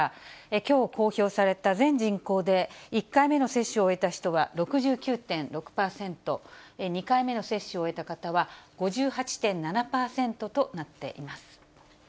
きょう公表された全人口で１回目の接種を終えた人は６９．６％、２回目の接種を終えた方は５８．７％となっています。